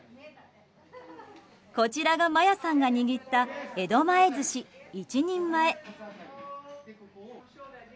こちらが、マヤさんが握った江戸前寿司１人前。